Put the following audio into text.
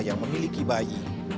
yang memiliki bayi